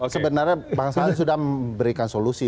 sebenarnya bangsa sudah memberikan solusi